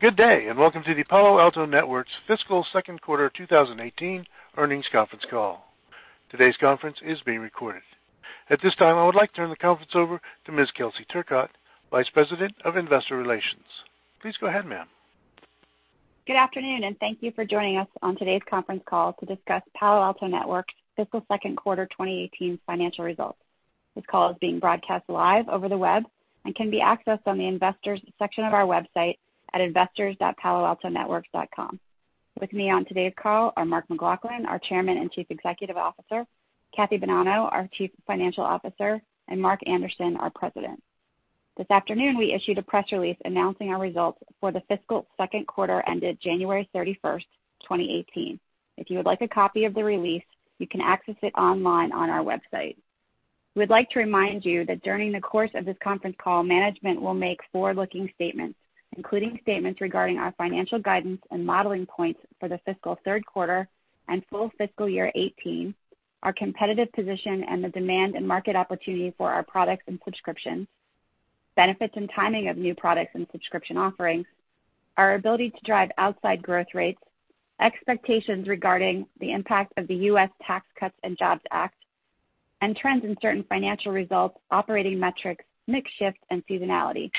Good day, welcome to the Palo Alto Networks fiscal second quarter 2018 earnings conference call. Today's conference is being recorded. At this time, I would like to turn the conference over to Ms. Kelsey Turcotte, vice president of investor relations. Please go ahead, ma'am. Good afternoon, thank you for joining us on today's conference call to discuss Palo Alto Networks' fiscal second quarter 2018 financial results. This call is being broadcast live over the web and can be accessed on the investors section of our website at investors.paloaltonetworks.com. With me on today's call are Mark McLaughlin, our chairman and chief executive officer, Kathy Bonanno, our chief financial officer, Mark Anderson, our president. This afternoon, we issued a press release announcing our results for the fiscal second quarter ended January 31st, 2018. If you would like a copy of the release, you can access it online on our website. We would like to remind you that during the course of this conference call, management will make forward-looking statements, including statements regarding our financial guidance and modeling points for the fiscal third quarter and full fiscal year 2018, our competitive position, the demand and market opportunity for our products and subscriptions, benefits and timing of new products and subscription offerings, our ability to drive outside growth rates, expectations regarding the impact of the U.S. Tax Cuts and Jobs Act, and trends in certain financial results, operating metrics, mix shift, and seasonality.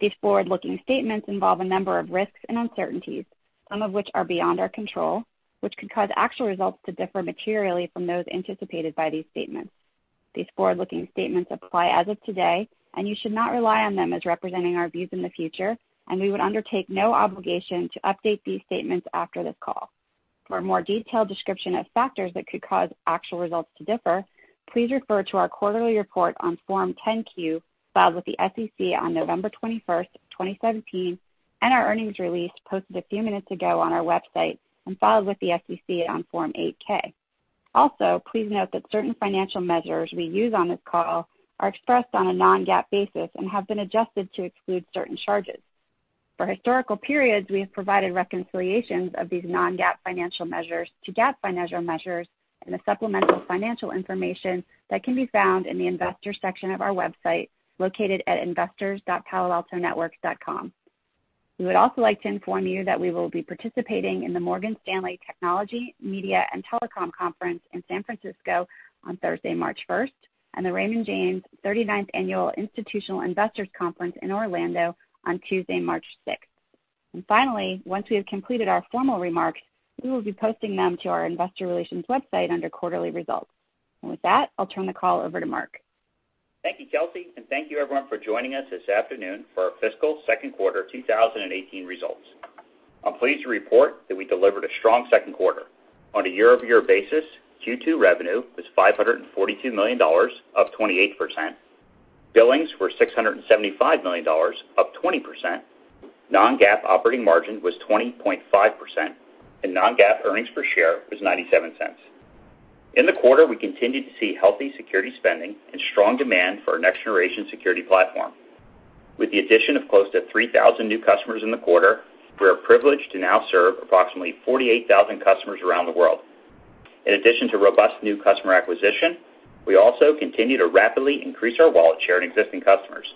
These forward-looking statements involve a number of risks and uncertainties, some of which are beyond our control, which could cause actual results to differ materially from those anticipated by these statements. These forward-looking statements apply as of today, you should not rely on them as representing our views in the future, we would undertake no obligation to update these statements after this call. For a more detailed description of factors that could cause actual results to differ, please refer to our quarterly report on Form 10-Q filed with the SEC on November 21st, 2017, and our earnings release posted a few minutes ago on our website and filed with the SEC on Form 8-K. Please note that certain financial measures we use on this call are expressed on a non-GAAP basis and have been adjusted to exclude certain charges. For historical periods, we have provided reconciliations of these non-GAAP financial measures to GAAP financial measures in the supplemental financial information that can be found in the investors section of our website, located at investors.paloaltonetworks.com. We would also like to inform you that we will be participating in the Morgan Stanley Technology, Media & Telecom Conference in San Francisco on Thursday, March 1st, and the Raymond James 39th Annual Institutional Investors Conference in Orlando on Tuesday, March 6th. Finally, once we have completed our formal remarks, we will be posting them to our investor relations website under quarterly results. With that, I'll turn the call over to Mark. Thank you, Kelsey, and thank you, everyone, for joining us this afternoon for our fiscal second quarter 2018 results. I'm pleased to report that we delivered a strong second quarter. On a year-over-year basis, Q2 revenue was $542 million, up 28%. Billings were $675 million, up 20%. Non-GAAP operating margin was 20.5%, and non-GAAP earnings per share was $0.97. In the quarter, we continued to see healthy security spending and strong demand for our next-generation security platform. With the addition of close to 3,000 new customers in the quarter, we are privileged to now serve approximately 48,000 customers around the world. In addition to robust new customer acquisition, we also continue to rapidly increase our wallet share in existing customers.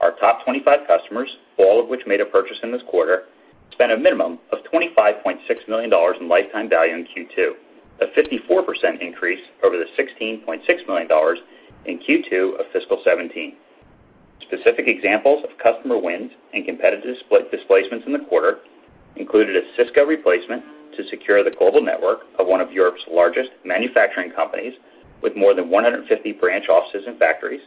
Our top 25 customers, all of which made a purchase in this quarter, spent a minimum of $25.6 million in lifetime value in Q2, a 54% increase over the $16.6 million in Q2 of fiscal 2017. Specific examples of customer wins and competitive displacements in the quarter included a Cisco replacement to secure the global network of one of Europe's largest manufacturing companies with more than 150 branch offices and factories,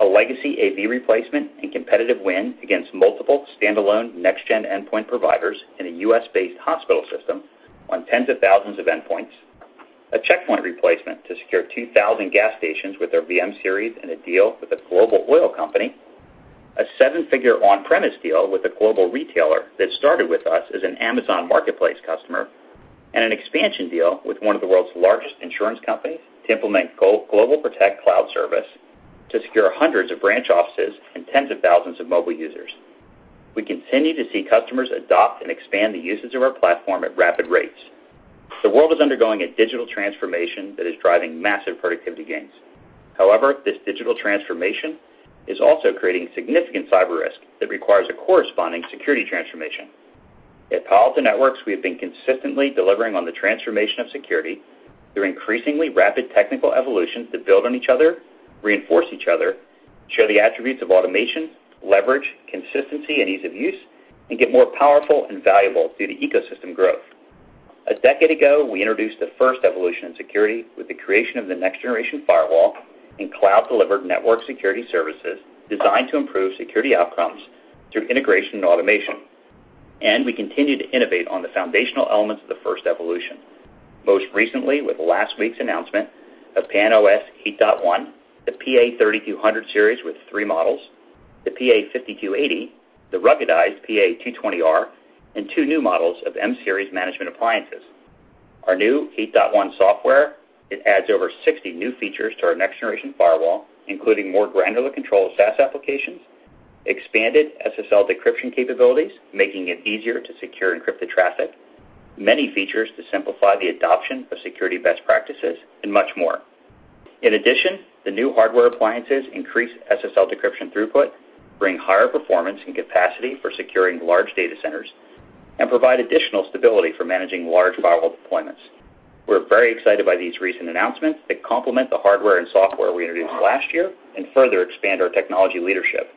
a legacy AV replacement and competitive win against multiple standalone next-gen endpoint providers in a U.S.-based hospital system on tens of thousands of endpoints, a Check Point replacement to secure 2,000 gas stations with our VM-Series in a deal with a global oil company, a seven-figure on-premise deal with a global retailer that started with us as an AWS Marketplace customer, an expansion deal with one of the world's largest insurance companies to implement GlobalProtect cloud service to secure hundreds of branch offices and tens of thousands of mobile users. The world is undergoing a digital transformation that is driving massive productivity gains. This digital transformation is also creating significant cyber risk that requires a corresponding security transformation. At Palo Alto Networks, we have been consistently delivering on the transformation of security through increasingly rapid technical evolutions that build on each other, reinforce each other, share the attributes of automation, leverage, consistency, and ease of use, and get more powerful and valuable due to ecosystem growth. A decade ago, we introduced the first evolution in security with the creation of the next-generation firewall and cloud-delivered network security services designed to improve security outcomes through integration and automation. We continue to innovate on the foundational elements of the first evolution, most recently with last week's announcement of PAN-OS 8.1, the PA-3200 Series with three models, the PA-5280, the ruggedized PA-220R, and two new models of M-Series management appliances. Our new 8.1 software, it adds over 60 new features to our next-generation firewall, including more granular control of SaaS applications, expanded SSL decryption capabilities, making it easier to secure encrypted traffic, many features to simplify the adoption of security best practices, and much more. The new hardware appliances increase SSL decryption throughput, bring higher performance and capacity for securing large data centers, and provide additional stability for managing large firewall deployments. We're very excited by these recent announcements that complement the hardware and software we introduced last year and further expand our technology leadership.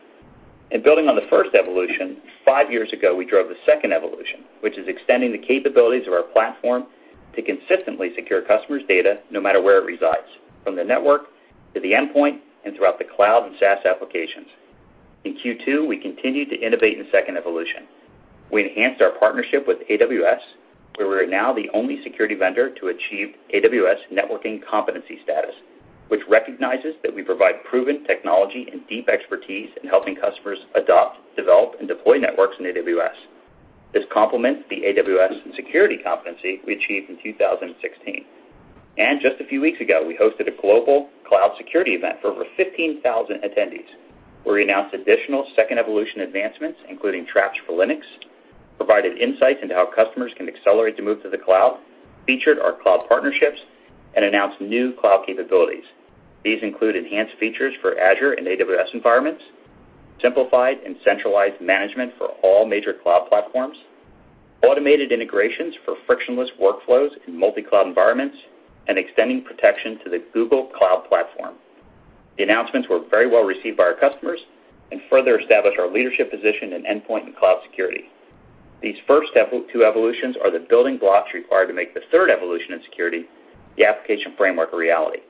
Building on the first evolution, five years ago, we drove the second evolution, which is extending the capabilities of our platform to consistently secure customers' data, no matter where it resides, from the network to the endpoint and throughout the cloud and SaaS applications. In Q2, we continued to innovate in the second evolution. We enhanced our partnership with AWS, where we are now the only security vendor to achieve AWS Networking Competency Status, which recognizes that we provide proven technology and deep expertise in helping customers adopt, develop, and deploy networks in AWS. This complements the AWS Security Competency we achieved in 2016. Just a few weeks ago, we hosted a global cloud security event for over 15,000 attendees, where we announced additional second-evolution advancements, including Traps for Linux, provided insights into how customers can accelerate the move to the cloud, featured our cloud partnerships, and announced new cloud capabilities. These include enhanced features for Azure and AWS environments, simplified and centralized management for all major cloud platforms, automated integrations for frictionless workflows in multi-cloud environments, and extending protection to the Google Cloud Platform. The announcements were very well received by our customers and further established our leadership position in endpoint and cloud security. These first two evolutions are the building blocks required to make the third evolution in security, the application framework, a reality.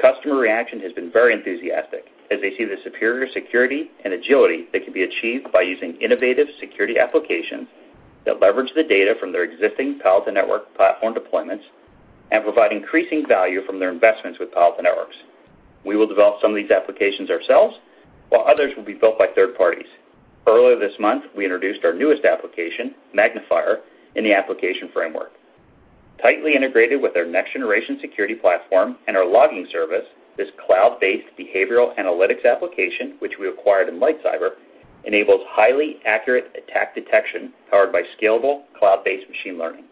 Customer reaction has been very enthusiastic as they see the superior security and agility that can be achieved by using innovative security applications that leverage the data from their existing Palo Alto Networks platform deployments and provide increasing value from their investments with Palo Alto Networks. We will develop some of these applications ourselves, while others will be built by third parties. Earlier this month, we introduced our newest application, Magnifier, in the application framework. Tightly integrated with our next-generation security platform and our Logging Service, this cloud-based behavioral analytics application, which we acquired in LightCyber, enables highly accurate attack detection powered by scalable, cloud-based machine learning.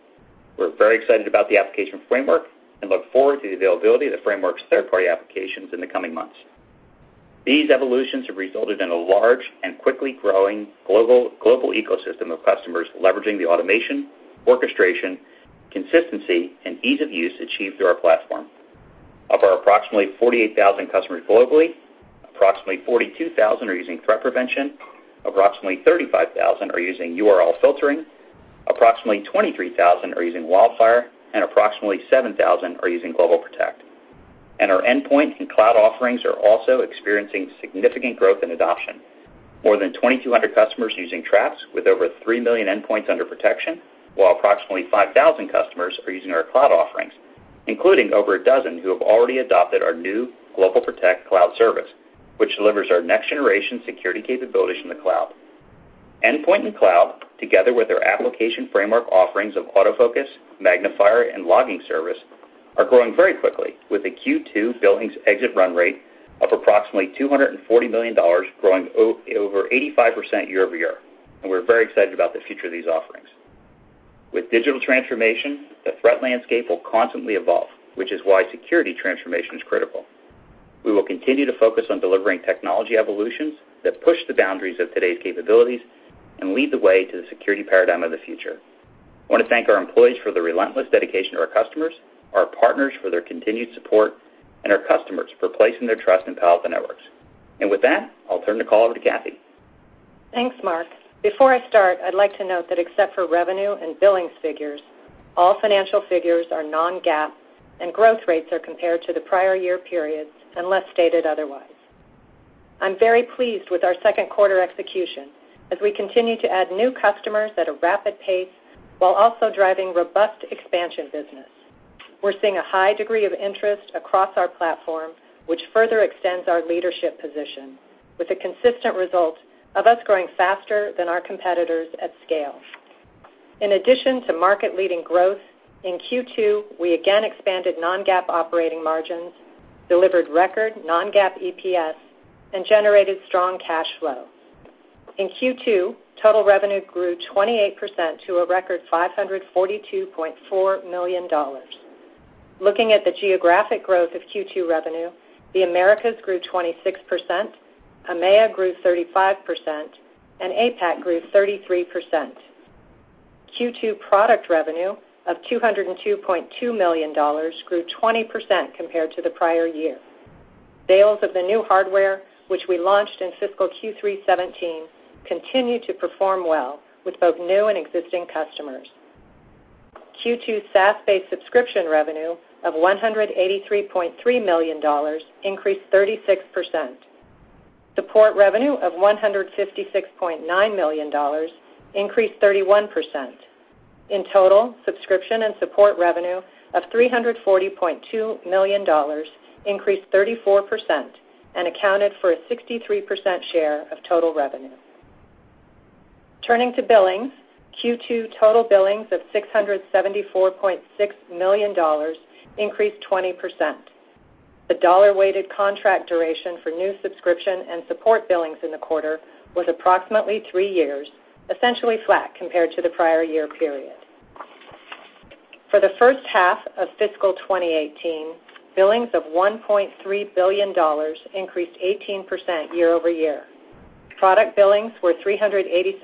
We're very excited about the application framework and look forward to the availability of the framework's third-party applications in the coming months. These evolutions have resulted in a large and quickly growing global ecosystem of customers leveraging the automation, orchestration, consistency, and ease of use achieved through our platform. Of our approximately 48,000 customers globally, approximately 42,000 are using threat prevention, approximately 35,000 are using URL filtering, approximately 23,000 are using WildFire, and approximately 7,000 are using GlobalProtect. Our endpoint and cloud offerings are also experiencing significant growth and adoption. More than 2,200 customers using Traps, with over 3 million endpoints under protection, while approximately 5,000 customers are using our cloud offerings, including over 12 who have already adopted our new GlobalProtect cloud service, which delivers our next-generation security capabilities in the cloud. Endpoint and cloud, together with our application framework offerings of AutoFocus, Magnifier, and Logging Service, are growing very quickly, with a Q2 billings exit run rate of approximately $240 million, growing over 85% year-over-year. We're very excited about the future of these offerings. With digital transformation, the threat landscape will constantly evolve, which is why security transformation is critical. We will continue to focus on delivering technology evolutions that push the boundaries of today's capabilities and lead the way to the security paradigm of the future. I want to thank our employees for their relentless dedication to our customers, our partners for their continued support, and our customers for placing their trust in Palo Alto Networks. With that, I'll turn the call over to Kathy. Thanks, Mark. Before I start, I'd like to note that except for revenue and billings figures, all financial figures are non-GAAP, and growth rates are compared to the prior year periods unless stated otherwise. I'm very pleased with our second quarter execution as we continue to add new customers at a rapid pace while also driving robust expansion business. We're seeing a high degree of interest across our platform, which further extends our leadership position, with a consistent result of us growing faster than our competitors at scale. In addition to market-leading growth, in Q2, we again expanded non-GAAP operating margins, delivered record non-GAAP EPS, and generated strong cash flow. In Q2, total revenue grew 28% to a record $542.4 million. Looking at the geographic growth of Q2 revenue, the Americas grew 26%, EMEA grew 35%, and APAC grew 33%. Q2 product revenue of $202.2 million grew 20% compared to the prior year. Sales of the new hardware, which we launched in fiscal Q3 2017, continued to perform well with both new and existing customers. Q2 SaaS-based subscription revenue of $183.3 million increased 36%. Support revenue of $156.9 million increased 31%. In total, subscription and support revenue of $340.2 million increased 34% and accounted for a 63% share of total revenue. Turning to billings, Q2 total billings of $674.6 million increased 20%. The dollar-weighted contract duration for new subscription and support billings in the quarter was approximately three years, essentially flat compared to the prior year period. For the first half of fiscal 2018, billings of $1.3 billion increased 18% year-over-year. Product billings were $387.2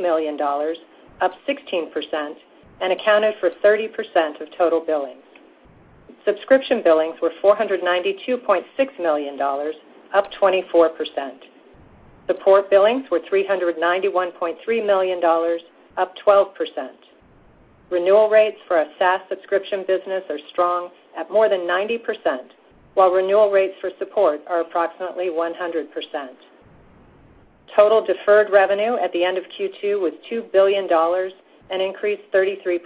million, up 16%, and accounted for 30% of total billings. Subscription billings were $492.6 million, up 24%. Support billings were $391.3 million, up 12%. Renewal rates for our SaaS subscription business are strong at more than 90%, while renewal rates for support are approximately 100%. Total deferred revenue at the end of Q2 was $2 billion, an increase 33%.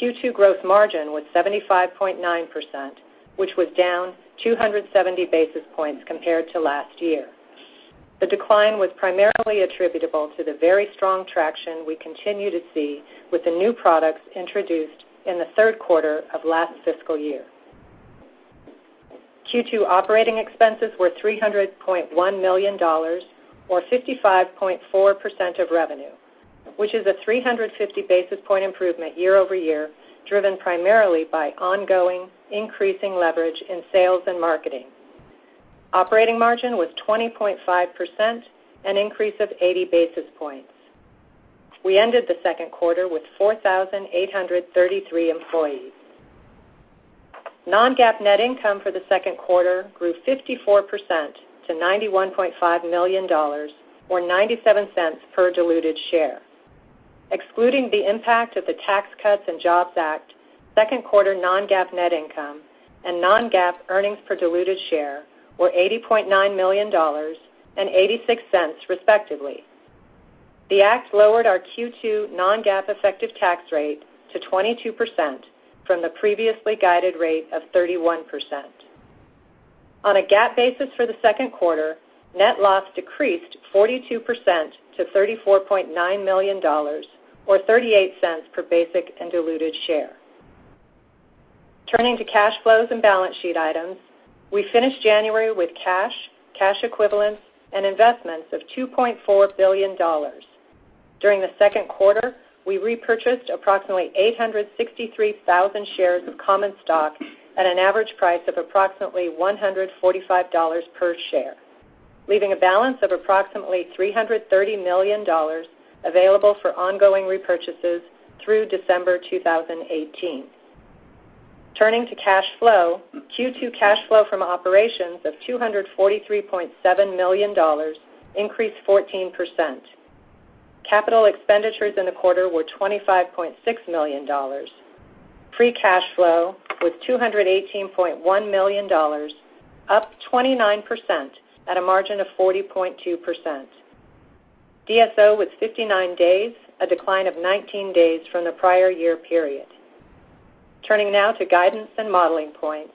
Q2 gross margin was 75.9%, which was down 270 basis points compared to last year. The decline was primarily attributable to the very strong traction we continue to see with the new products introduced in the third quarter of last fiscal year. Q2 operating expenses were $300.1 million or 55.4% of revenue, which is a 350 basis point improvement year-over-year, driven primarily by ongoing increasing leverage in sales and marketing. Operating margin was 20.5%, an increase of 80 basis points. We ended the second quarter with 4,833 employees. non-GAAP net income for the second quarter grew 54% to $91.5 million or $0.97 per diluted share. Excluding the impact of the Tax Cuts and Jobs Act, second quarter non-GAAP net income and non-GAAP earnings per diluted share were $80.9 million and $0.86, respectively. The Act lowered our Q2 non-GAAP effective tax rate to 22% from the previously guided rate of 31%. On a GAAP basis for the second quarter, net loss decreased 42% to $34.9 million or $0.38 per basic and diluted share. Turning to cash flows and balance sheet items, we finished January with cash equivalents, and investments of $2.4 billion. During the second quarter, we repurchased approximately 863,000 shares of common stock at an average price of approximately $145 per share, leaving a balance of approximately $330 million available for ongoing repurchases through December 2018. Turning to cash flow, Q2 cash flow from operations of $243.7 million increased 14%. Capital expenditures in the quarter were $25.6 million. Free cash flow was $218.1 million, up 29% at a margin of 40.2%. DSO was 59 days, a decline of 19 days from the prior year period. Turning now to guidance and modeling points.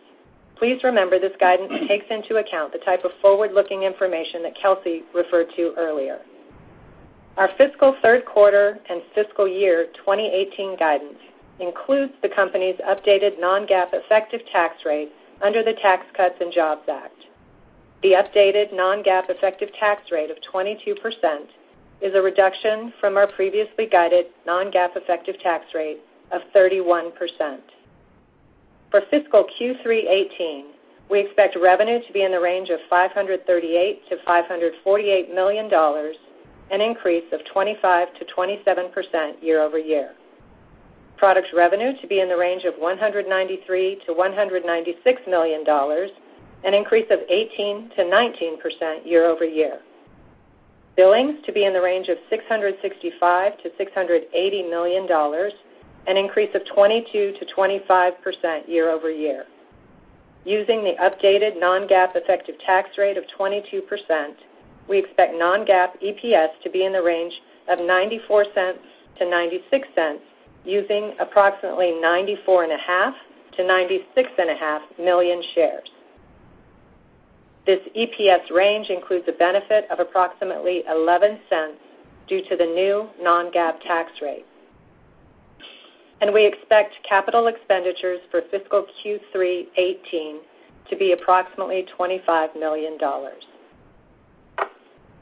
Please remember this guidance takes into account the type of forward-looking information that Kelsey referred to earlier. Our fiscal third quarter and fiscal year 2018 guidance includes the company's updated non-GAAP effective tax rate under the Tax Cuts and Jobs Act. The updated non-GAAP effective tax rate of 22% is a reduction from our previously guided non-GAAP effective tax rate of 31%. For fiscal Q3 2018, we expect revenue to be in the range of $538 million-$548 million, an increase of 25%-27% year-over-year. Products revenue to be in the range of $193 million-$196 million, an increase of 18%-19% year-over-year. Billings to be in the range of $665 million-$680 million, an increase of 22%-25% year-over-year. Using the updated non-GAAP effective tax rate of 22%, we expect non-GAAP EPS to be in the range of $0.94-$0.96, using approximately 94.5 million-96.5 million shares. This EPS range includes a benefit of approximately $0.11 due to the new non-GAAP tax rate. We expect capital expenditures for fiscal Q3 2018 to be approximately $25 million.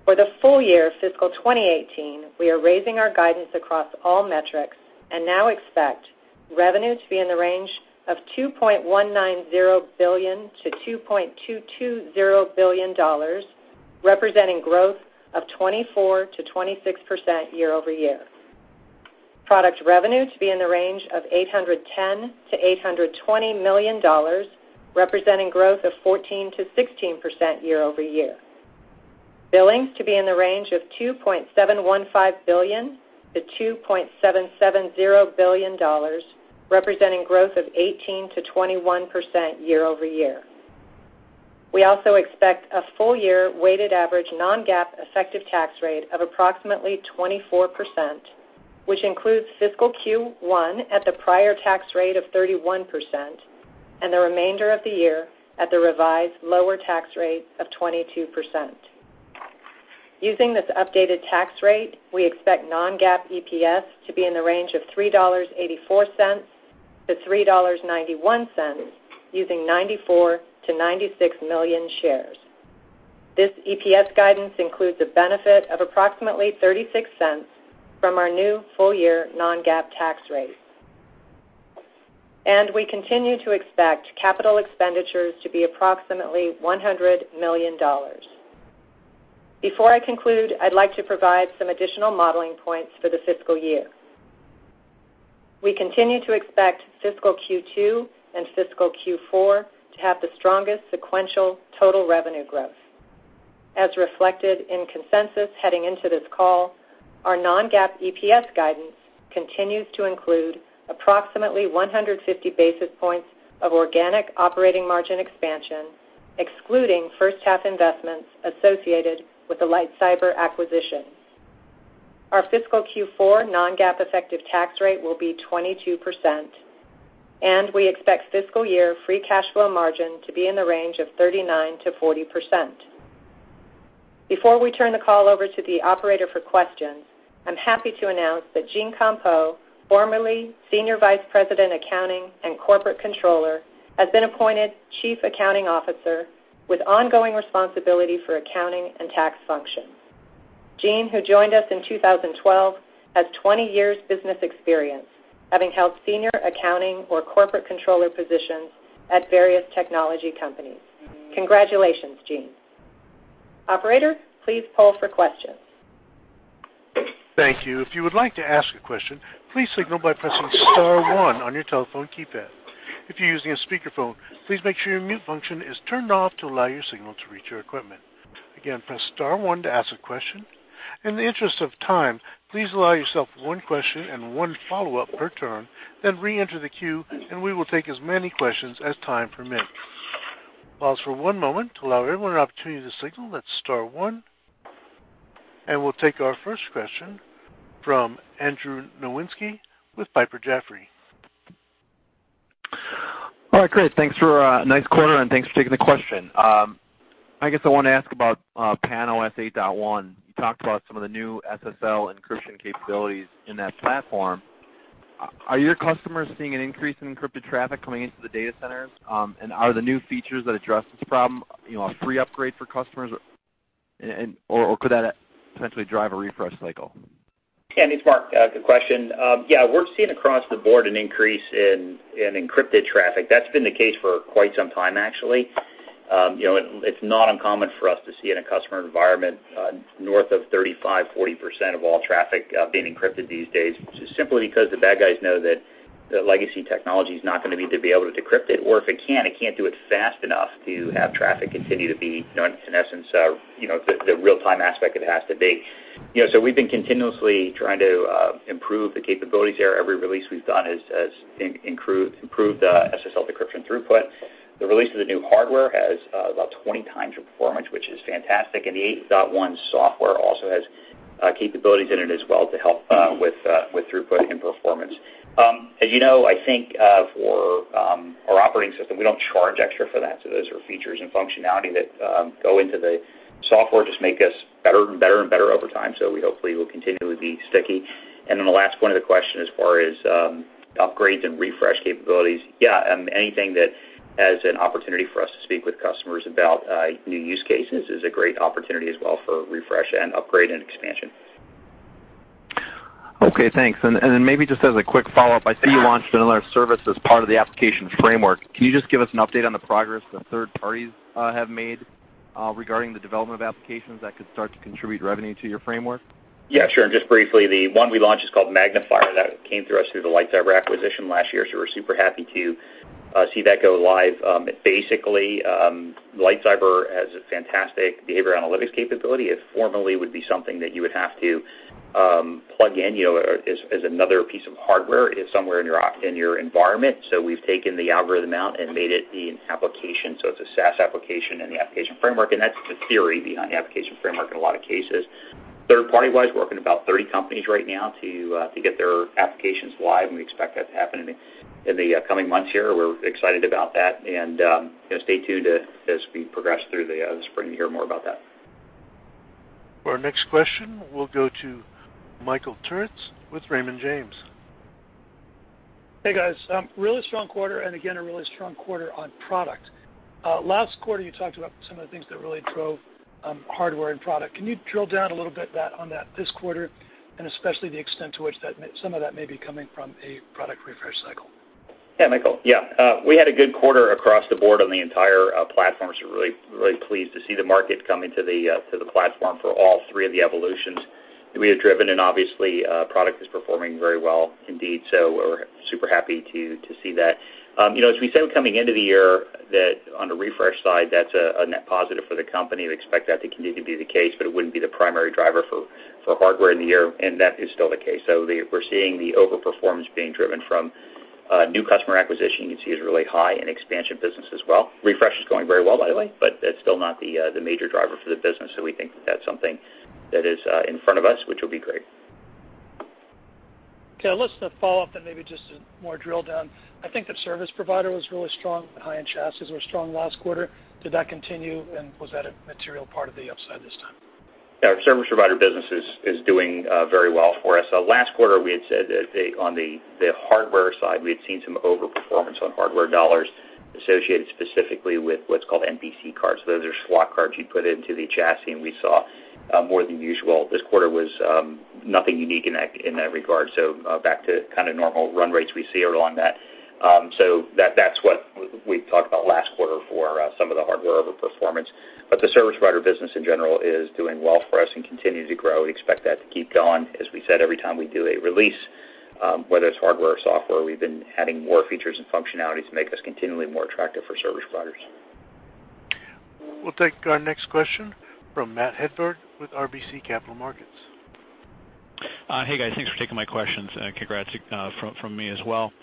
For the full year fiscal 2018, we are raising our guidance across all metrics and now expect revenue to be in the range of $2.190 billion-$2.220 billion, representing growth of 24%-26% year-over-year. Products revenue to be in the range of $810 million-$820 million, representing growth of 14%-16% year-over-year. Billings to be in the range of $2.715 billion-$2.770 billion, representing growth of 18%-21% year-over-year. We also expect a full year weighted average non-GAAP effective tax rate of approximately 24%, which includes fiscal Q1 at the prior tax rate of 31% and the remainder of the year at the revised lower tax rate of 22%. Using this updated tax rate, we expect non-GAAP EPS to be in the range of $3.84-$3.91, using 94 million-96 million shares. This EPS guidance includes a benefit of approximately $0.36 from our new full-year non-GAAP tax rate. We continue to expect capital expenditures to be approximately $100 million. Before I conclude, I'd like to provide some additional modeling points for the fiscal year. We continue to expect fiscal Q2 and fiscal Q4 to have the strongest sequential total revenue growth. As reflected in consensus heading into this call, our non-GAAP EPS guidance continues to include approximately 150 basis points of organic operating margin expansion, excluding first half investments associated with the LightCyber acquisition. Our fiscal Q4 non-GAAP effective tax rate will be 22%, and we expect fiscal year free cash flow margin to be in the range of 39%-40%. Before we turn the call over to the operator for questions, I'm happy to announce that Jean Compeau, formerly Senior Vice President, Accounting and Corporate Controller, has been appointed Chief Accounting Officer with ongoing responsibility for accounting and tax functions. Gene, who joined us in 2012, has 20 years business experience, having held senior accounting or corporate controller positions at various technology companies. Congratulations, Gene. Operator, please poll for questions. Thank you. If you would like to ask a question, please signal by pressing star one on your telephone keypad. If you're using a speakerphone, please make sure your mute function is turned off to allow your signal to reach our equipment. Again, press star one to ask a question. In the interest of time, please allow yourself one question and one follow-up per turn, then re-enter the queue, we will take as many questions as time permits. Pause for one moment to allow everyone an opportunity to signal. That's star one. We'll take our first question from Andrew Nowinski with Piper Jaffray. All right, great. Thanks for a nice quarter, and thanks for taking the question. I guess I want to ask about PAN-OS 8.1. You talked about some of the new SSL encryption capabilities in that platform. Are your customers seeing an increase in encrypted traffic coming into the data centers? Are the new features that address this problem a free upgrade for customers, or could that potentially drive a refresh cycle? Yeah, it's Mark. Good question. Yeah, we're seeing across the board an increase in encrypted traffic. That's been the case for quite some time, actually. It's not uncommon for us to see in a customer environment north of 35%, 40% of all traffic being encrypted these days, just simply because the bad guys know that the legacy technology's not going to be able to decrypt it. If it can, it can't do it fast enough to have traffic continue to be, in essence, the real-time aspect of it has to be. We've been continuously trying to improve the capabilities there. Every release we've done has improved SSL decryption throughput. The release of the new hardware has about 20 times the performance, which is fantastic, and the 8.1 software also has capabilities in it as well to help with throughput and performance. As you know, I think for our operating system, we don't charge extra for that, those are features and functionality that go into the software, just make us better and better and better over time. We hopefully will continue to be sticky. The last point of the question as far as upgrades and refresh capabilities, yeah, anything that has an opportunity for us to speak with customers about new use cases is a great opportunity as well for refresh and upgrade and expansion. Okay, thanks. Maybe just as a quick follow-up, I see you launched another service as part of the application framework. Can you just give us an update on the progress the third parties have made regarding the development of applications that could start to contribute revenue to your framework? Just briefly, the one we launched is called Magnifier. That came through us through the LightCyber acquisition last year, so we're super happy to see that go live. Basically, LightCyber has a fantastic behavioral analytics capability. It formerly would be something that you would have to plug in as another piece of hardware somewhere in your environment. So we've taken the algorithm out and made it the application. So it's a SaaS application in the application framework, and that's the theory behind the application framework in a lot of cases. Third party-wise, working about 30 companies right now to get their applications live, and we expect that to happen in the coming months here. We're excited about that. Stay tuned as we progress through the spring to hear more about that. Our next question will go to Michael Turits with Raymond James. Hey, guys. Really strong quarter. Again, a really strong quarter on product. Last quarter, you talked about some of the things that really drove hardware and product. Can you drill down a little bit on that this quarter, and especially the extent to which some of that may be coming from a product refresh cycle? Yeah, Michael. Yeah. We had a good quarter across the board on the entire platform, we're really pleased to see the market coming to the platform for all three of the evolutions that we have driven. Obviously, product is performing very well indeed. We're super happy to see that. As we said coming into the year, that on the refresh side, that's a net positive for the company. We expect that to continue to be the case, but it wouldn't be the primary driver for hardware in the year, and that is still the case. We're seeing the overperformance being driven from new customer acquisition you can see is really high in expansion business as well. Refresh is going very well, by the way. That's still not the major driver for the business. We think that that's something that is in front of us, which will be great. Okay, listen, a follow-up, then maybe just a more drill down. I think the service provider was really strong, the high-end chassis were strong last quarter. Was that a material part of the upside this time? Our service provider business is doing very well for us. Last quarter, we had said that on the hardware side, we had seen some over-performance on hardware dollars associated specifically with what's called NPC cards. Those are slot cards you put into the chassis. We saw more than usual. This quarter was nothing unique in that regard. Back to kind of normal run rates we see along that. That's what we talked about last quarter for some of the hardware over-performance. The service provider business, in general, is doing well for us and continues to grow. We expect that to keep going. As we said, every time we do a release, whether it's hardware or software, we've been adding more features and functionalities to make us continually more attractive for service providers. We'll take our next question from Matt Hedberg with RBC Capital Markets. Hey, guys. Thanks for taking my questions, and congrats from me as well.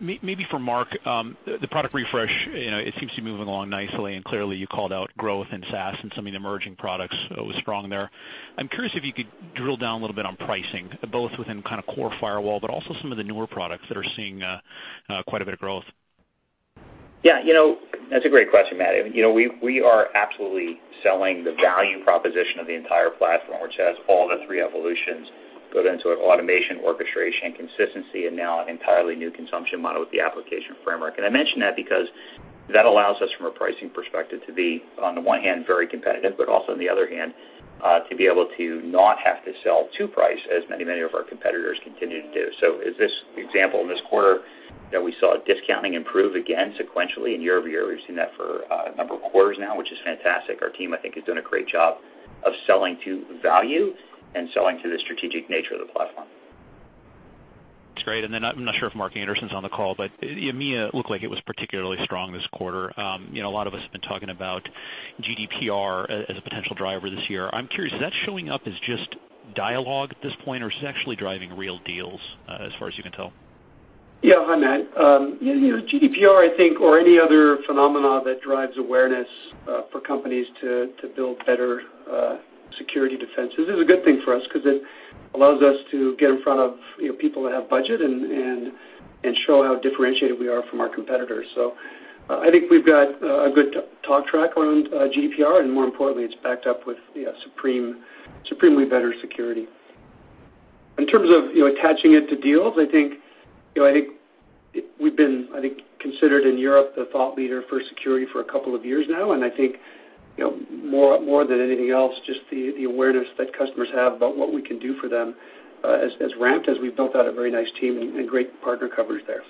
Maybe for Mark, the product refresh, it seems to be moving along nicely, and clearly, you called out growth in SaaS and some of the emerging products, it was strong there. I'm curious if you could drill down a little bit on pricing, both within kind of core firewall, but also some of the newer products that are seeing quite a bit of growth. Yeah. That's a great question, Matt. We are absolutely selling the value proposition of the entire platform, which has all the three evolutions built into it, automation, orchestration, consistency, and now an entirely new consumption model with the application framework. I mention that because that allows us, from a pricing perspective, to be, on the one hand, very competitive, but also on the other hand, to be able to not have to sell to price as many of our competitors continue to do. As this example in this quarter, we saw discounting improve again sequentially and year-over-year. We've seen that for a number of quarters now, which is fantastic. Our team, I think, has done a great job of selling to value and selling to the strategic nature of the platform. That's great. I'm not sure if Mark Anderson's on the call, but EMEA looked like it was particularly strong this quarter. A lot of us have been talking about GDPR as a potential driver this year. I'm curious, is that showing up as just dialogue at this point, or is it actually driving real deals as far as you can tell? Yeah. Hi, Matt. GDPR, I think, or any other phenomena that drives awareness for companies to build better security defenses is a good thing for us because it allows us to get in front of people that have budget and show how differentiated we are from our competitors. I think we've got a good talk track around GDPR, and more importantly, it's backed up with supremely better security. In terms of attaching it to deals, I think we've been considered in Europe the thought leader for security for a couple of years now, and I think more than anything else, just the awareness that customers have about what we can do for them has ramped as we've built out a very nice team and great partner coverage there.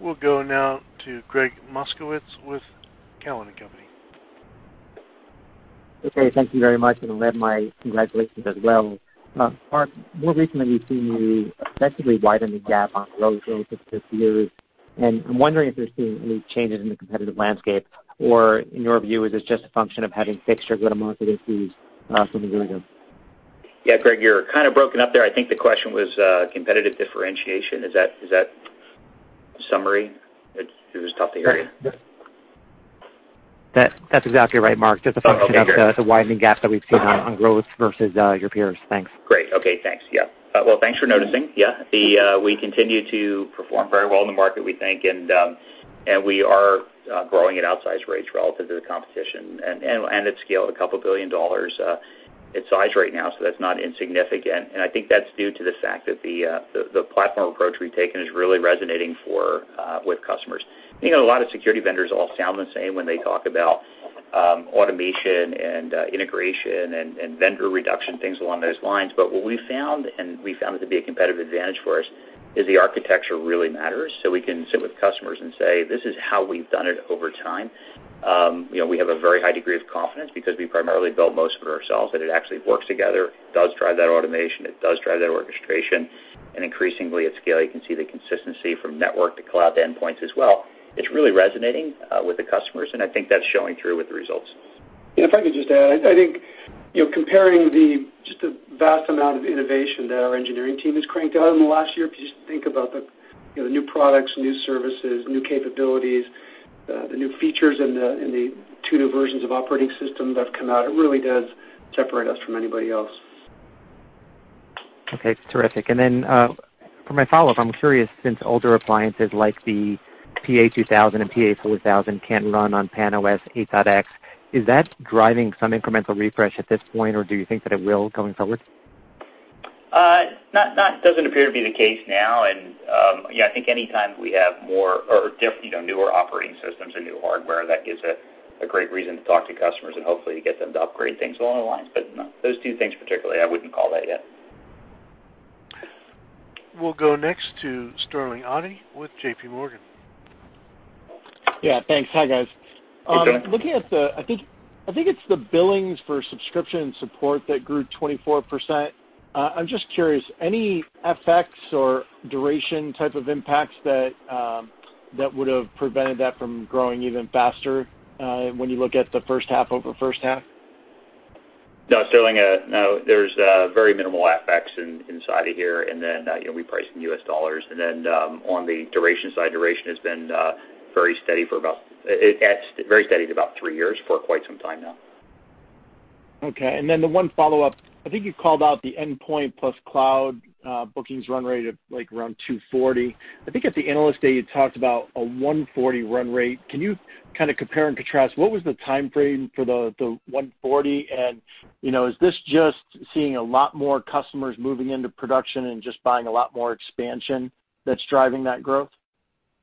We'll go now to Gregg Moskowitz with Cowen and Company. Okay. Thank you very much. Let my congratulations as well. Mark, more recently, we've seen you effectively widen the gap on growth relative to peers, and I'm wondering if there's been any changes in the competitive landscape, or in your view, is this just a function of having fixed your go-to-market issues from a year ago? Yeah, Gregg, you're kind of broken up there. I think the question was competitive differentiation. Is that the summary? It was tough to hear you. That's exactly right, Mark. Just a function of. Oh, okay. -the widening gap that we've seen on growth versus your peers. Thanks. Great. Okay, thanks. Yeah. Well, thanks for noticing. Yeah. We continue to perform very well in the market, we think, and we are growing at outsized rates relative to the competition, and at scale of a couple billion dollars in size right now, that's not insignificant. I think that's due to the fact that the platform approach we've taken is really resonating with customers. A lot of security vendors all sound the same when they talk about automation and integration and vendor reduction, things along those lines. What we've found, and we found it to be a competitive advantage for us, is the architecture really matters. We can sit with customers and say, "This is how we've done it over time." We have a very high degree of confidence because we primarily build most of it ourselves, that it actually works together, does drive that automation, it does drive that orchestration, and increasingly at scale, you can see the consistency from network to cloud to endpoints as well. It's really resonating with the customers, I think that's showing through with the results. If I could just add, I think comparing just the vast amount of innovation that our engineering team has cranked out in the last year, if you just think about the new products, new services, new capabilities, the new features in the two new versions of operating systems that have come out, it really does separate us from anybody else. Okay. Terrific. Then for my follow-up, I'm curious, since older appliances like the PA-2000 and PA-4000 can't run on PAN-OS 8.X, is that driving some incremental refresh at this point, or do you think that it will going forward? That doesn't appear to be the case now, and I think any time we have newer operating systems or new hardware, that gives it a great reason to talk to customers and hopefully get them to upgrade things along the lines. No, those two things particularly, I wouldn't call that yet. We'll go next to Sterling Auty with JP Morgan. Yeah, thanks. Hi, guys. Hey, Sterling. Looking at the, I think it's the billings for subscription and support that grew 24%. I'm just curious, any effects or duration type of impacts that would have prevented that from growing even faster when you look at the first half over first half? No, Sterling, no. There's very minimal effects inside of here, and then we price in U.S. dollars. On the duration side, duration has been very steady at about three years for quite some time now. Okay. The one follow-up, I think you called out the endpoint plus cloud bookings run rate at around $240 million. I think at the Analyst Day, you talked about a $140 million run rate. Can you compare and contrast what was the time frame for the $140 million? Is this just seeing a lot more customers moving into production and just buying a lot more expansion that's driving that growth?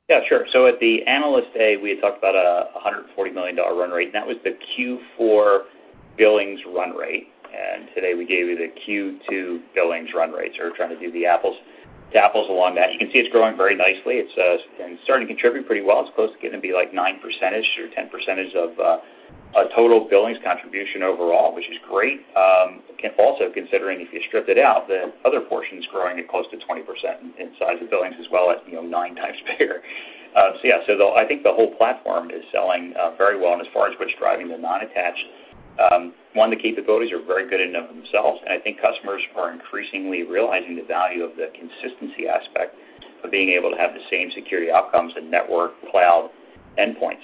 Yeah, sure. At the Analyst Day, we had talked about $140 million run rate, and that was the Q4 billings run rate. Today, we gave you the Q2 billings run rate. We're trying to do the apples to apples along that. You can see it's growing very nicely. It's starting to contribute pretty well. It's close to getting to be like 9% or 10% of total billings contribution overall, which is great. Also considering if you stripped it out, the other portion's growing at close to 20% in size of billings as well at 9 times bigger. Yeah. I think the whole platform is selling very well. As far as what's driving the non-attached, one, the capabilities are very good in and of themselves, and I think customers are increasingly realizing the value of the consistency aspect of being able to have the same security outcomes in network, cloud, endpoint.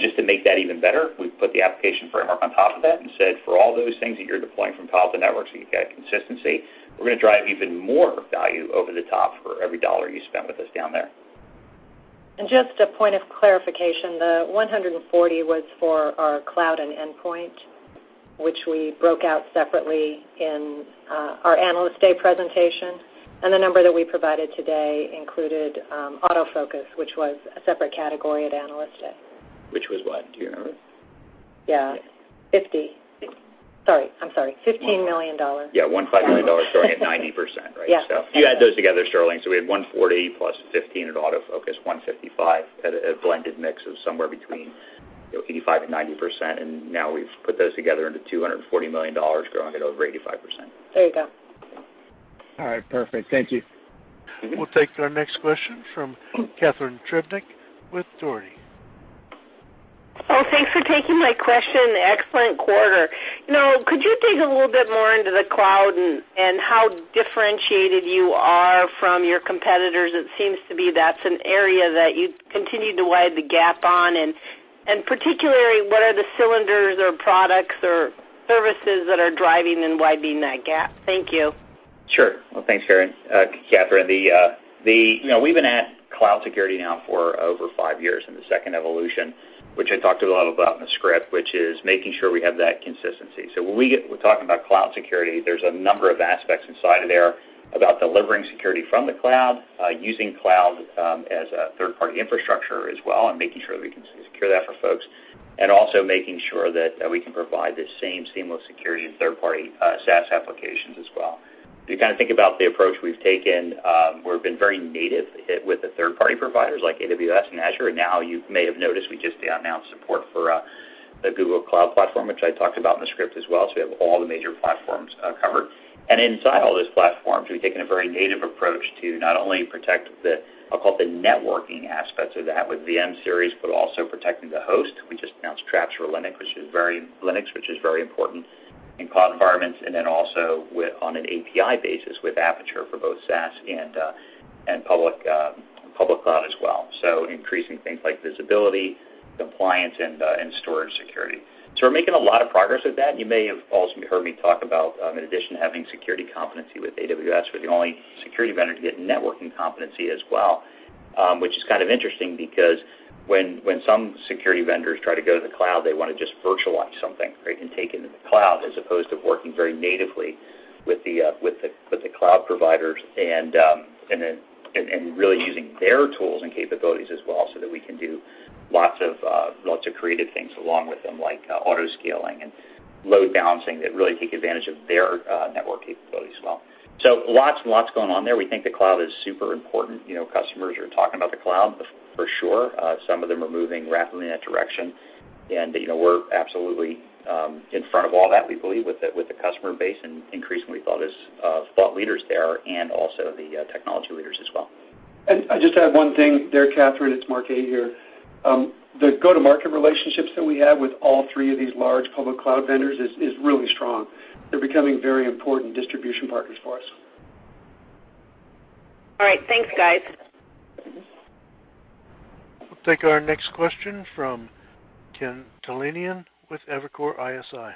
Just to make that even better, we've put the application framework on top of that and said, "For all those things that you're deploying from Palo Alto Networks, you've got consistency, we're going to drive even more value over the top for every dollar you spend with us down there. Just a point of clarification, the $140 million was for our cloud and endpoint, which we broke out separately in our Analyst Day presentation. The number that we provided today included AutoFocus, which was a separate category at Analyst Day. Which was what? Do you remember? Yeah, Sorry, $15 million. Yeah, $15 million growing at 90%, right? Yeah. You add those together, Sterling. We had $140 plus $15 at AutoFocus, $155 at a blended mix of somewhere between 85%-90%. Now we've put those together into $240 million, growing at over 85%. There you go. All right. Perfect. Thank you. We'll take our next question from Catharine Trebnick with Dougherty. Oh, thanks for taking my question. Excellent quarter. Could you dig a little bit more into the cloud and how differentiated you are from your competitors? It seems to be that's an area that you continue to wide the gap on. Particularly, what are the cylinders or products or services that are driving and widening that gap? Thank you. Sure. Well, thanks, Catharine. We've been at cloud security now for over five years in the second evolution, which I talked a lot about in the script, which is making sure we have that consistency. When we're talking about cloud security, there's a number of aspects inside of there about delivering security from the cloud, using cloud as a third-party infrastructure as well, and making sure that we can secure that for folks. Also making sure that we can provide the same seamless security in third-party SaaS applications as well. If you think about the approach we've taken, we've been very native with the third-party providers like AWS and Azure. Now you may have noticed we just announced support for the Google Cloud Platform, which I talked about in the script as well. We have all the major platforms covered. Inside all those platforms, we've taken a very native approach to not only protect the, I'll call it the networking aspects of that with VM-Series, but also protecting the host. We just announced Traps for Linux, which is very important in cloud environments, and then also on an API basis with Aperture for both SaaS and public cloud as well. Increasing things like visibility, compliance, and storage security. We're making a lot of progress with that. You may have also heard me talk about, in addition, having security competency with AWS. We're the only security vendor to get networking competency as well, which is kind of interesting because when some security vendors try to go to the cloud, they want to just virtualize something, right, and take it into the cloud as opposed to working very natively with the cloud providers and really using their tools and capabilities as well, so that we can do lots of creative things along with them, like auto-scaling and load balancing that really take advantage of their network capabilities as well. Lots and lots going on there. We think the cloud is super important. Customers are talking about the cloud for sure. Some of them are moving rapidly in that direction. We're absolutely in front of all that, we believe, with the customer base and increasingly thought leaders there, and also the technology leaders as well. I just add one thing there, Catharine. It's Mark A. here. The go-to-market relationships that we have with all three of these large public cloud vendors is really strong. They're becoming very important distribution partners for us. All right. Thanks, guys. We'll take our next question from Ken Talanian with Evercore ISI.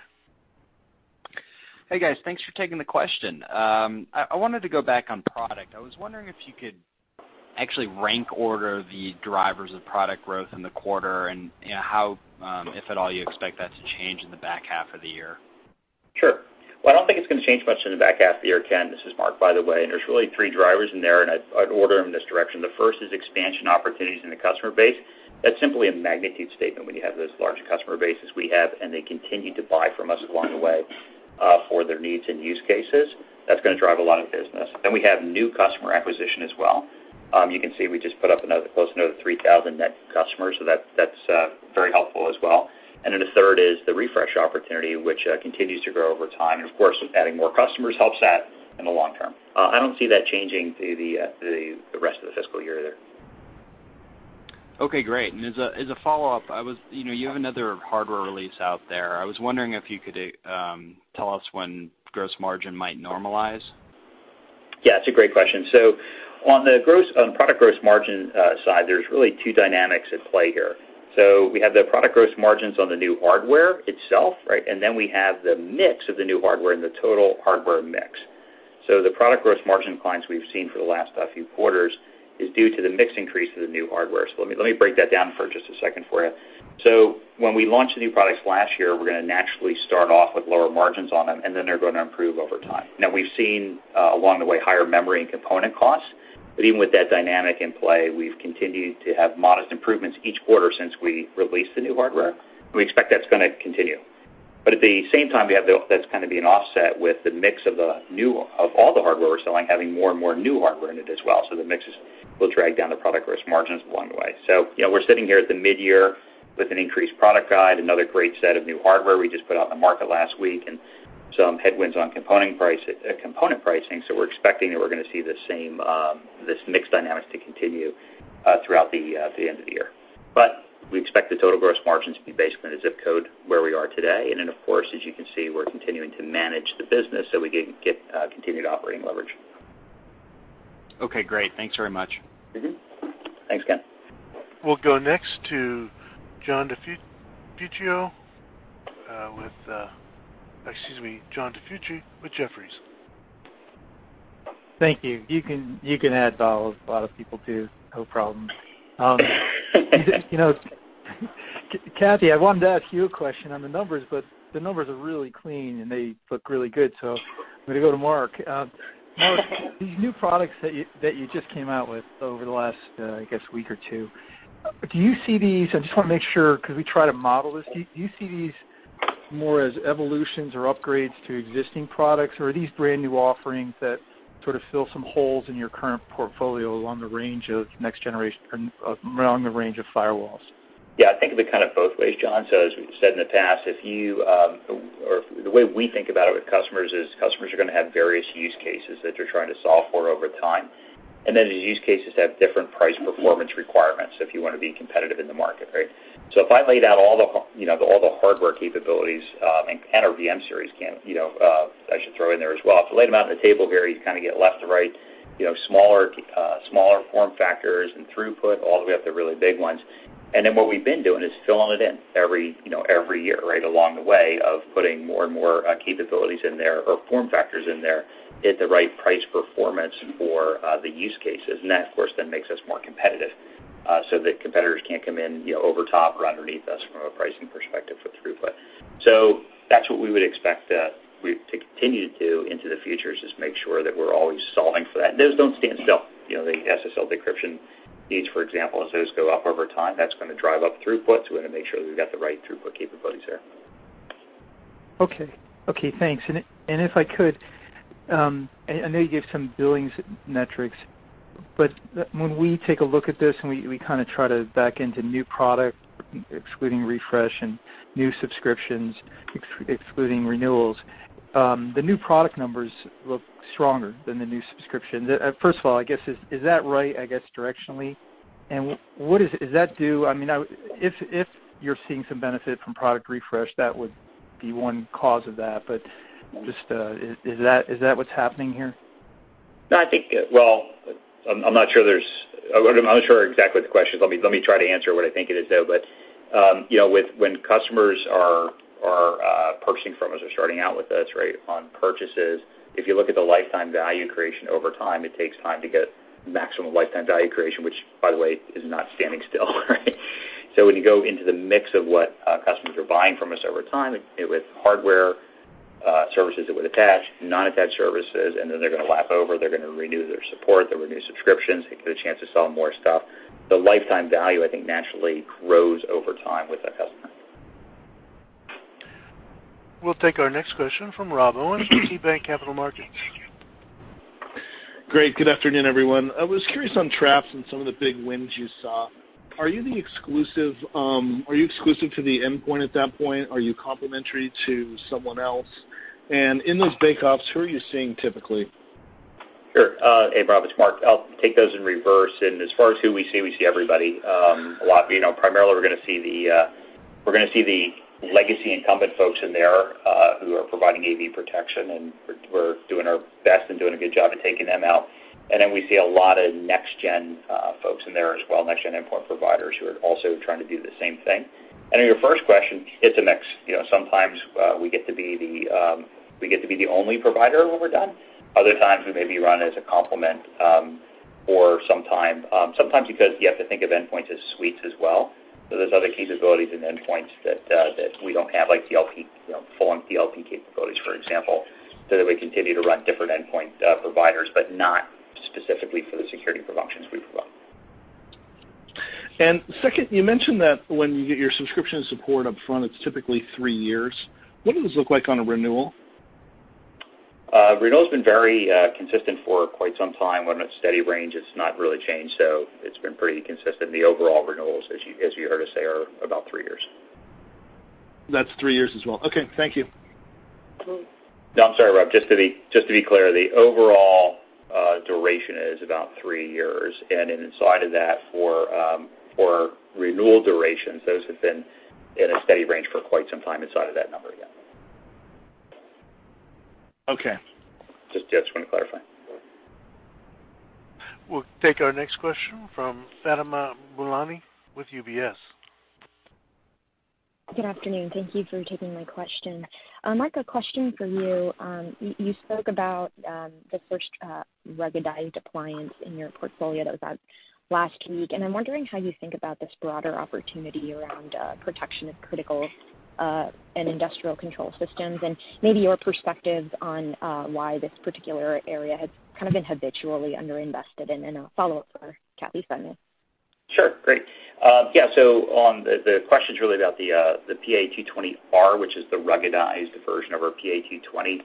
Hey, guys. Thanks for taking the question. I wanted to go back on product. I was wondering if you could actually rank order the drivers of product growth in the quarter and how, if at all, you expect that to change in the back half of the year. Sure. Well, I don't think it's going to change much in the back half of the year, Ken. This is Mark, by the way. There's really three drivers in there, and I'd order them in this direction. The first is expansion opportunities in the customer base. That's simply a magnitude statement when you have those large customer bases we have, and they continue to buy from us along the way for their needs and use cases. That's going to drive a lot of business. Then we have new customer acquisition as well. You can see we just put up close to another 3,000 net customers, so that's very helpful as well. The third is the refresh opportunity, which continues to grow over time. Of course, adding more customers helps that in the long term. I don't see that changing through the rest of the fiscal year there. Okay, great. As a follow-up, you have another hardware release out there. I was wondering if you could tell us when gross margin might normalize. Yeah, it's a great question. On the product gross margin side, there's really two dynamics at play here. We have the product gross margins on the new hardware itself, right? Then we have the mix of the new hardware and the total hardware mix. The product gross margin declines we've seen for the last few quarters is due to the mix increase of the new hardware. Let me break that down for just a second for you. When we launched the new products last year, we're going to naturally start off with lower margins on them, then they're going to improve over time. We've seen along the way higher memory and component costs, even with that dynamic in play, we've continued to have modest improvements each quarter since we released the new hardware, and we expect that's going to continue. At the same time, that's going to be an offset with the mix of all the hardware we're selling, having more and more new hardware in it as well. The mixes will drag down the product gross margins along the way. We're sitting here at the mid-year with an increased product guide, another great set of new hardware we just put out in the market last week, and some headwinds on component pricing. We're expecting that we're going to see this mix dynamics to continue throughout the end of the year. We expect the total gross margins to be basically in a ZIP code where we are today. Then, of course, as you can see, we're continuing to manage the business so we can get continued operating leverage. Okay, great. Thanks very much. Mm-hmm. Thanks, Ken. We'll go next to John DiFucci with Jefferies. Thank you. You can add dollop. A lot of people do. No problem. Kathy, I wanted to ask you a question on the numbers, the numbers are really clean, and they look really good. I'm going to go to Mark. Mark, these new products that you just came out with over the last, I guess, week or two, do you see these-- I just want to make sure because we try to model this. Do you see these more as evolutions or upgrades to existing products, or are these brand-new offerings that sort of fill some holes in your current portfolio around the range of firewalls? Yeah, I think they're both ways, John. As we've said in the past, the way we think about it with customers is customers are going to have various use cases that they're trying to solve for over time. These use cases have different price-performance requirements if you want to be competitive in the market, right? If I laid out all the hardware capabilities and our VM-Series, I should throw in there as well. To lay them out on the table here, you kind of get left to right, smaller form factors and throughput all the way up to really big ones. What we've been doing is filling it in every year, right along the way of putting more and more capabilities in there or form factors in there at the right price performance for the use cases. That, of course, then makes us more competitive so that competitors can't come in over the top or underneath us from a pricing perspective for throughput. That's what we would expect to continue to do into the future, is just make sure that we're always solving for that. Those don't stand still. The SSL decryption needs, for example, as those go up over time, that's going to drive up throughputs. We want to make sure that we've got the right throughput capabilities there. Okay. Thanks. If I could, I know you gave some billings metrics, but when we take a look at this and we try to back into new product, excluding refresh and new subscriptions, excluding renewals, the new product numbers look stronger than the new subscription. First of all, I guess, is that right, I guess, directionally? If you're seeing some benefit from product refresh, that would be one cause of that. Just, is that what's happening here? I'm not sure exactly what the question is. Let me try to answer what I think it is, though. When customers are purchasing from us or starting out with us on purchases, if you look at the lifetime value creation over time, it takes time to get maximum lifetime value creation, which, by the way, is not standing still. When you go into the mix of what customers are buying from us over time with hardware, services that would attach, non-attached services, they're going to lap over, they're going to renew their support, they'll renew subscriptions, they get a chance to sell more stuff. The lifetime value, I think, naturally grows over time with that customer. We'll take our next question from Rob Owens, KeyBanc Capital Markets. Great. Good afternoon, everyone. I was curious on Traps and some of the big wins you saw. Are you exclusive to the endpoint at that point? Are you complementary to someone else? In those bake-offs, who are you seeing typically? Sure. Hey, Rob, it's Mark. I'll take those in reverse. As far as who we see, we see everybody. Primarily, we're going to see the legacy incumbent folks in there who are providing AV protection, and we're doing our best and doing a good job at taking them out. Then we see a lot of next-gen folks in there as well, next-gen endpoint providers who are also trying to do the same thing. To your first question, it's a mix. Sometimes we get to be the only provider when we're done. Other times, we may be run as a complement. Sometimes you have to think of endpoints as suites as well. There's other capabilities in endpoints that we don't have, like full-on DLP capabilities, for example. Then we continue to run different endpoint providers, but not specifically for the security functions we provide. Second, you mentioned that when you get your subscription support up front, it's typically three years. What does this look like on a renewal? Renewal has been very consistent for quite some time. We're in a steady range. It's not really changed. It's been pretty consistent. The overall renewals, as you heard us say, are about three years. That's three years as well. Okay. Thank you. No, I'm sorry, Rob. Just to be clear, the overall duration is about three years. Inside of that, for renewal durations, those have been in a steady range for quite some time inside of that number, yeah. Okay. Just wanted to clarify. We'll take our next question from Fatima Boolani with UBS. Good afternoon. Thank you for taking my question. Mark, a question for you. You spoke about the first ruggedized appliance in your portfolio that was out last week. I'm wondering how you think about this broader opportunity around protection of critical and industrial control systems and maybe your perspectives on why this particular area has kind of been habitually under-invested in. A follow-up for Kathy if I may. Sure. Great. Yeah. The question's really about the PA-220R, which is the ruggedized version of our PA-220,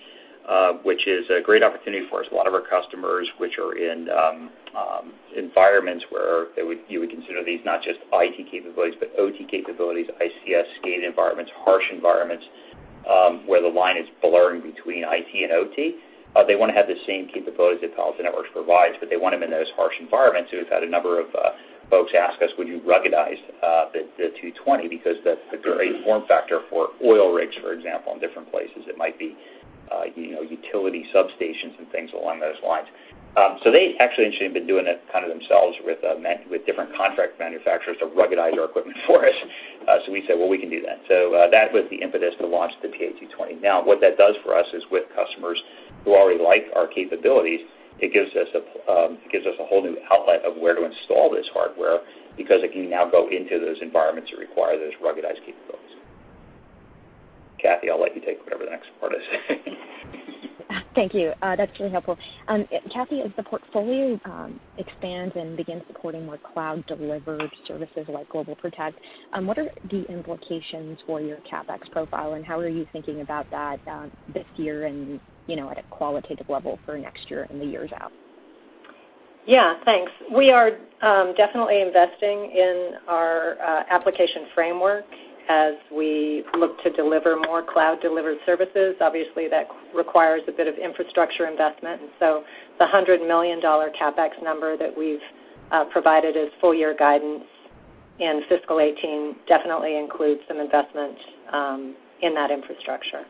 which is a great opportunity for us. A lot of our customers, which are in environments where you would consider these not just IT capabilities, but OT capabilities, ICS-scale environments, harsh environments, where the line is blurred between IT and OT. They want to have the same capabilities that Palo Alto Networks provides, but they want them in those harsh environments. We've had a number of folks ask us, "Would you ruggedize the 220?" Because that's a great form factor for oil rigs, for example, and different places. It might be utility substations and things along those lines. They actually, interestingly, have been doing it kind of themselves with different contract manufacturers to ruggedize our equipment for us. We said, "Well, we can do that." That was the impetus to launch the PA-220. Now, what that does for us is with customers who already like our capabilities, it gives us a whole new outlet of where to install this hardware because it can now go into those environments that require those ruggedized capabilities. Kathy, I'll let you take whatever the next part is. Thank you. That's really helpful. Kathy, as the portfolio expands and begins supporting more cloud-delivered services like GlobalProtect, what are the implications for your CapEx profile, and how are you thinking about that this year and at a qualitative level for next year and the years out? Yeah, thanks. We are definitely investing in our application framework as we look to deliver more cloud-delivered services. Obviously, that requires a bit of infrastructure investment. The $100 million CapEx number that we've provided as full-year guidance in fiscal 2018 definitely includes some investments in that infrastructure.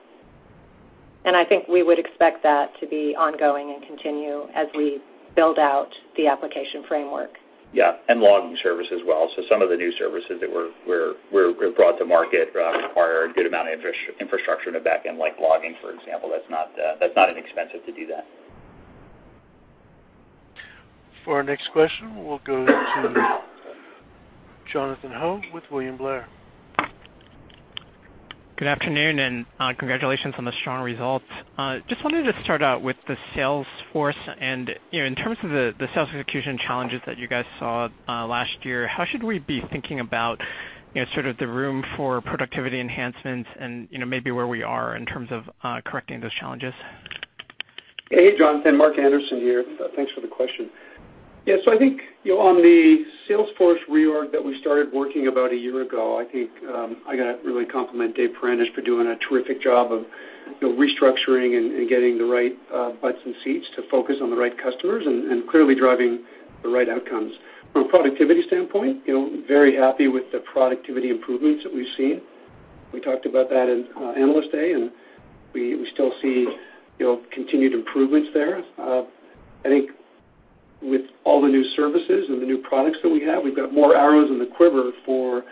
I think we would expect that to be ongoing and continue as we build out the application framework. Yeah, and Logging Service as well. Some of the new services that were brought to market require a good amount of infrastructure in the back end, like logging, for example. That's not inexpensive to do that. For our next question, we'll go to Jonathan Ho with William Blair. Good afternoon. Congratulations on the strong results. I just wanted to start out with the sales force, in terms of the sales execution challenges that you guys saw last year, how should we be thinking about sort of the room for productivity enhancements and maybe where we are in terms of correcting those challenges? Hey, Jonathan. Mark Anderson here. Thanks for the question. I think on the sales force reorg that we started working about a year ago, I think I got to really compliment Dave Peranich for doing a terrific job of restructuring and getting the right butts in seats to focus on the right customers and clearly driving the right outcomes. From a productivity standpoint, very happy with the productivity improvements that we've seen. We talked about that in Analyst Day. We still see continued improvements there. I think with all the new services and the new products that we have, we've got more arrows in the quiver for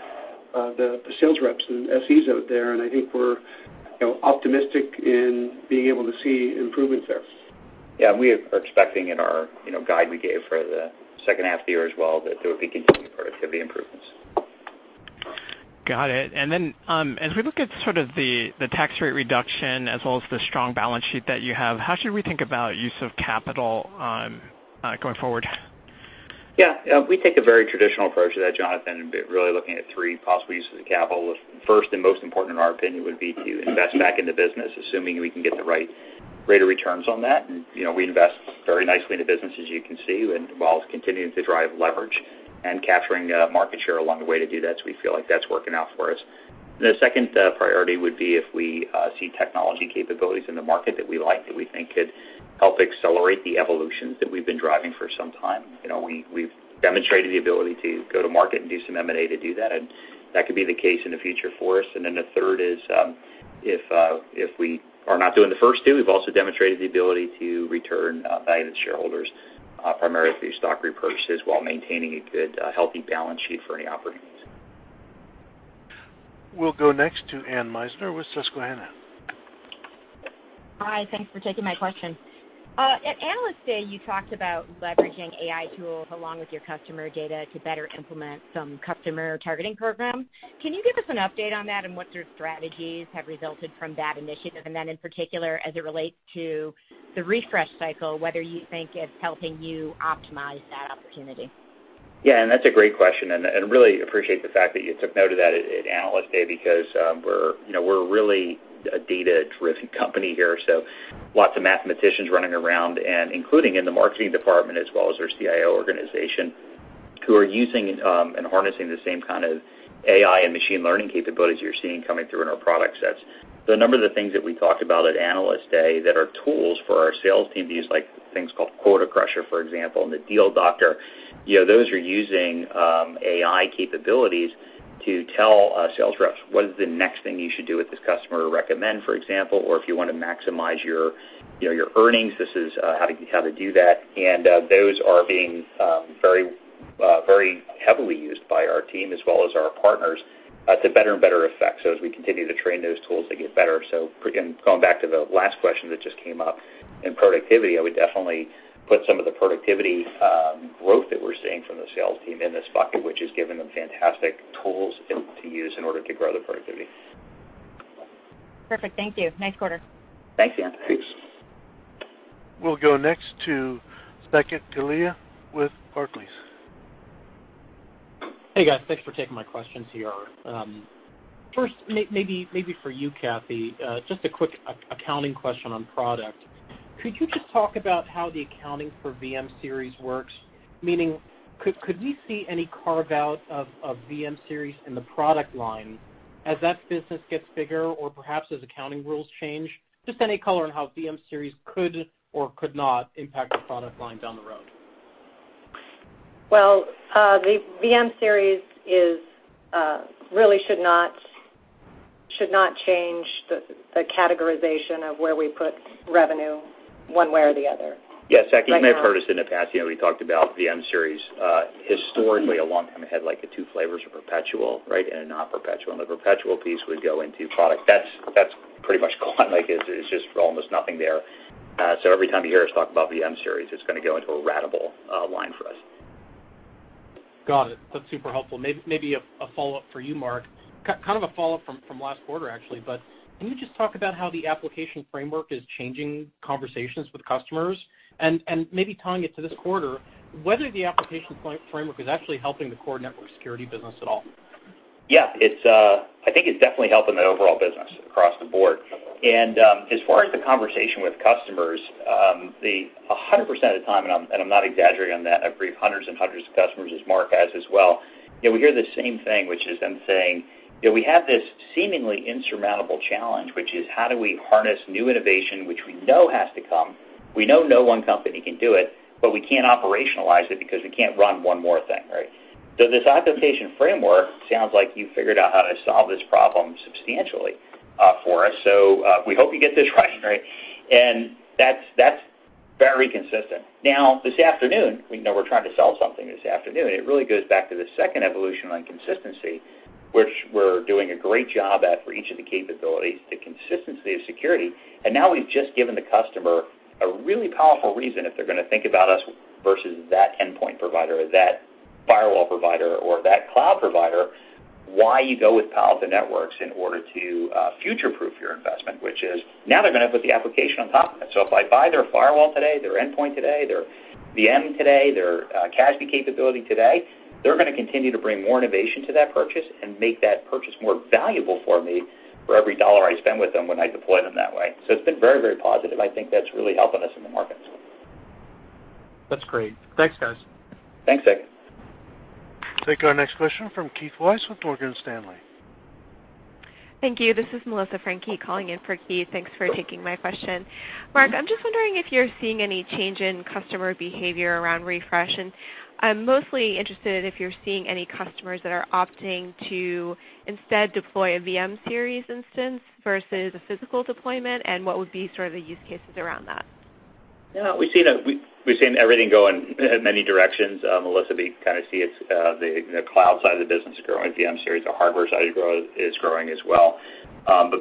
the sales reps and SEs out there. I think we're optimistic in being able to see improvements there. We are expecting in our guide we gave for the second half of the year as well that there would be continued productivity improvements. Got it. As we look at sort of the tax rate reduction as well as the strong balance sheet that you have, how should we think about use of capital going forward? Yeah. We take a very traditional approach to that, Jonathan, really looking at three possible uses of capital. The first and most important, in our opinion, would be to invest back in the business, assuming we can get the right rate of returns on that. We invest very nicely in the business, as you can see, while continuing to drive leverage and capturing market share along the way to do that. We feel like that's working out for us. The second priority would be if we see technology capabilities in the market that we like, that we think could help accelerate the evolutions that we've been driving for some time. We've demonstrated the ability to go to market and do some M&A to do that, and that could be the case in the future for us. The third is if we are not doing the first two, we've also demonstrated the ability to return value to shareholders, primarily through stock repurchases while maintaining a good, healthy balance sheet for any opportunities. We'll go next to Anne Meisner with Susquehanna. Hi, thanks for taking my question. At Analyst Day, you talked about leveraging AI tools along with your customer data to better implement some customer targeting programs. Can you give us an update on that and what sort of strategies have resulted from that initiative? In particular, as it relates to the refresh cycle, whether you think it's helping you optimize that opportunity. That's a great question. Really appreciate the fact that you took note of that at Analyst Day because we're really a data-driven company here. Lots of mathematicians running around, including in the marketing department, as well as our CIO organization, who are using and harnessing the same kind of AI and machine learning capabilities you're seeing coming through in our product sets. A number of the things that we talked about at Analyst Day that are tools for our sales team to use, like things called Quota Crusher, for example, and the Deal Doctor, those are using AI capabilities to tell sales reps what is the next thing you should do with this customer or recommend, for example, or if you want to maximize your earnings, this is how to do that. Those are being very heavily used by our team as well as our partners to better and better effect. As we continue to train those tools, they get better. Going back to the last question that just came up in productivity, I would definitely put some of the productivity growth that we're seeing from the sales team in this bucket, which has given them fantastic tools to use in order to grow their productivity. Perfect. Thank you. Nice quarter. Thanks. We'll go next to Saket Kalia with Barclays. Hey, guys. Thanks for taking my questions here. First, maybe for you, Kathy, just a quick accounting question on product. Could you just talk about how the accounting for VM-Series works? Meaning, could we see any carve out of VM-Series in the product line as that business gets bigger or perhaps as accounting rules change? Just any color on how VM-Series could or could not impact the product line down the road. Well, the VM-Series really should not change the categorization of where we put revenue one way or the other. Yes. Saket, you may have heard us in the past, we talked about VM-Series. Historically, a long time ahead, like the two flavors of perpetual, right, and a non-perpetual. The perpetual piece would go into product. That's pretty much gone, like it's just almost nothing there. Every time you hear us talk about VM-Series, it's going to go into a ratable line for us. Got it. That's super helpful. Maybe a follow-up for you, Mark. Kind of a follow-up from last quarter, actually. Can you just talk about how the application framework is changing conversations with customers? Maybe tying it to this quarter, whether the application framework is actually helping the core network security business at all? Yeah, I think it's definitely helping the overall business across the board. As far as the conversation with customers, 100% of the time, and I'm not exaggerating on that, I've briefed hundreds and hundreds of customers, as Mark has as well, we hear the same thing, which is them saying, "We have this seemingly insurmountable challenge, which is how do we harness new innovation, which we know has to come. We know no one company can do it, but we can't operationalize it because we can't run one more thing, right? This application framework sounds like you figured out how to solve this problem substantially for us. We hope you get this right." That's very consistent. Now, this afternoon, we know we're trying to sell something this afternoon. It really goes back to the second evolution on consistency, which we're doing a great job at for each of the capabilities, the consistency of security. Now we've just given the customer a really powerful reason if they're going to think about us versus that endpoint provider or that firewall provider or that cloud provider, why you go with Palo Alto Networks in order to future-proof your investment, which is now they're going to put the application on top of it. If I buy their firewall today, their endpoint today, their VM today, their CASB capability today, they're going to continue to bring more innovation to that purchase and make that purchase more valuable for me for every dollar I spend with them when I deploy them that way. It's been very, very positive. I think that's really helping us in the market. That's great. Thanks, guys. Thanks, Saket. Take our next question from Keith Weiss with Morgan Stanley. Thank you. This is Melissa Franchi calling in for Keith. Thanks for taking my question. Mark, I'm just wondering if you're seeing any change in customer behavior around refresh. I'm mostly interested if you're seeing any customers that are opting to instead deploy a VM-Series instance versus a physical deployment, and what would be sort of the use cases around that? Yeah. We've seen everything go in many directions, Melissa. We kind of see the cloud side of the business growing, VM-Series, our hardware side is growing as well.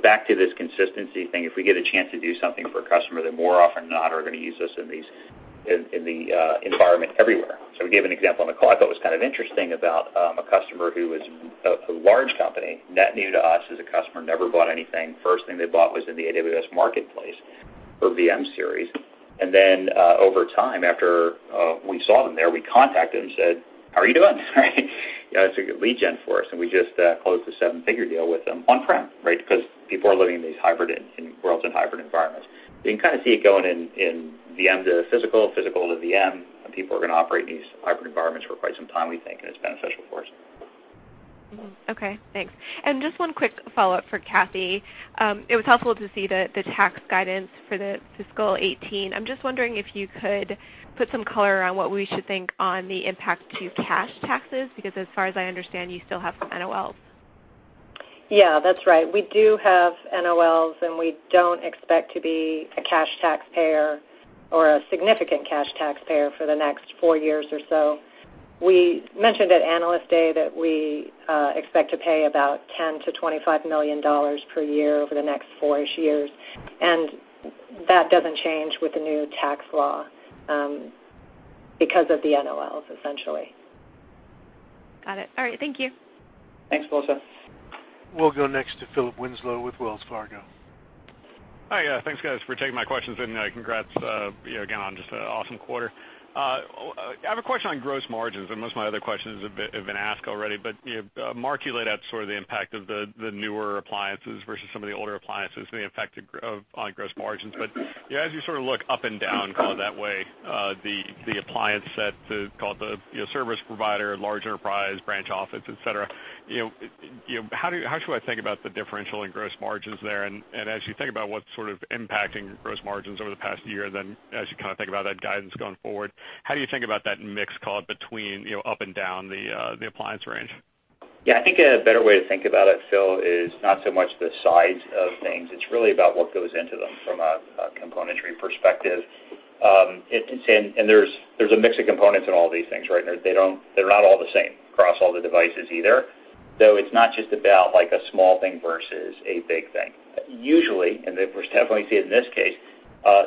Back to this consistency thing, if we get a chance to do something for a customer, they more often than not are going to use us in the environment everywhere. We gave an example on the call I thought was kind of interesting about a customer who was a large company, net new to us as a customer, never bought anything. First thing they bought was in the AWS Marketplace for VM-Series. Then, over time, after we saw them there, we contacted them and said, "How are you doing?" Right? It's a lead gen for us, and we just closed a seven-figure deal with them on-prem, right? People are living in these worlds in hybrid environments. You can kind of see it going in VM to physical to VM, and people are going to operate in these hybrid environments for quite some time, we think, and it's beneficial for us. Okay, thanks. Just one quick follow-up for Kathy. It was helpful to see the tax guidance for the fiscal 2018. I'm just wondering if you could put some color around what we should think on the impact to cash taxes, because as far as I understand, you still have some NOLs. Yeah, that's right. We do have NOLs, and we don't expect to be a cash taxpayer or a significant cash taxpayer for the next four years or so. We mentioned at Analyst Day that we expect to pay about $10 million-$25 million per year over the next four-ish years, and that doesn't change with the new tax law because of the NOLs, essentially. Got it. All right. Thank you. Thanks, Melissa. We'll go next to Philip Winslow with Wells Fargo. Hi. Thanks, guys, for taking my questions, and congrats again on just an awesome quarter. I have a question on gross margins, and most of my other questions have been asked already. Mark, you laid out sort of the impact of the newer appliances versus some of the older appliances and the effect on gross margins. As you sort of look up and down, call it that way, the appliance set to call it the service provider, large enterprise, branch office, et cetera, how should I think about the differential in gross margins there? As you think about what's sort of impacting gross margins over the past year, then as you kind of think about that guidance going forward, how do you think about that mix, call it, between up and down the appliance range? I think a better way to think about it, Phil, is not so much the size of things. It's really about what goes into them from a componentry perspective. There's a mix of components in all these things, right? They're not all the same across all the devices either, though it's not just about a small thing versus a big thing. Usually, and we definitely see it in this case,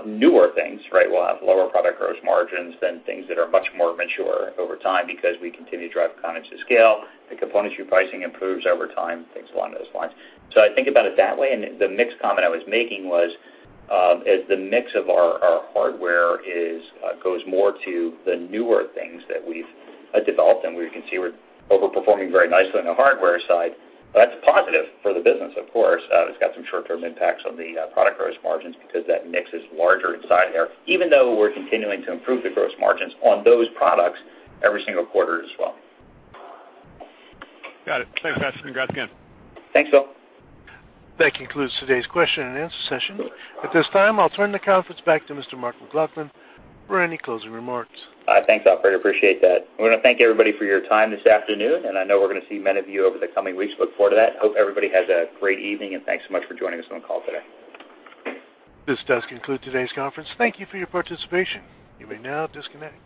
newer things, right, will have lower product gross margins than things that are much more mature over time because we continue to drive components to scale. The componentry pricing improves over time, things along those lines. I think about it that way, and the mix comment I was making was as the mix of our hardware goes more to the newer things that we've developed and we can see we're over-performing very nicely on the hardware side, that's positive for the business, of course. It's got some short-term impacts on the product gross margins because that mix is larger inside there, even though we're continuing to improve the gross margins on those products every single quarter as well. Got it. Thanks, guys, and congrats again. Thanks, Phil. That concludes today's question and answer session. At this time, I'll turn the conference back to Mr. Mark McLaughlin for any closing remarks. Thanks, operator. Appreciate that. I want to thank everybody for your time this afternoon, and I know we're going to see many of you over the coming weeks. Look forward to that. Hope everybody has a great evening, and thanks so much for joining us on the call today. This does conclude today's conference. Thank you for your participation. You may now disconnect.